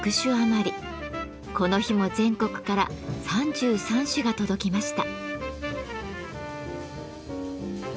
この日も全国から３３種が届きました。